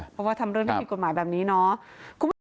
เพราะว่าทำเรื่องไม่ผิดกฎหมายแบบนี้เนาะ